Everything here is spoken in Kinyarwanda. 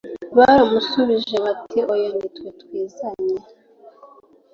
baramushubije bati oya ni twe twizanye